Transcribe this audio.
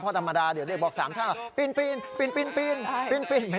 เพราะธรรมดาเด็กบอกสามช่าปีนไม่ได้